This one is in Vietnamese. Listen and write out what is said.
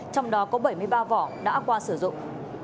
trong đó có bảy mươi ba vỏ đã qua sử dụng